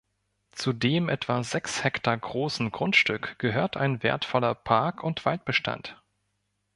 Zu dem etwa sechs Hektar großen Grundstück gehört ein wertvoller Park- und Waldbestand.